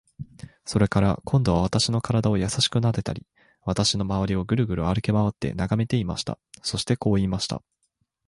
それから、今度は私の身体をやさしくなでたり、私のまわりをぐるぐる歩きまわって眺めていました。そしてこう言いました。